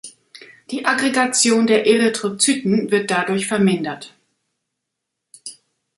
Die Aggregation der Erythrozyten wird dadurch vermindert.